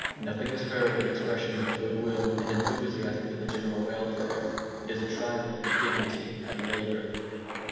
Nothing is heard but expressions of goodwill and enthusiasm for the general welfare. It is a triumph of the dignity of labour.